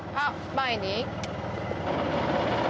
前に？